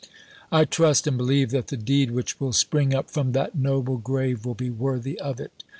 I trust and believe that the deed which will spring up from that noble grave will be worthy of it.